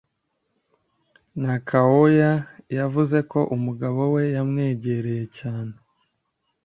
nakawooya yavuze ko umugabo we yamwegereye cyane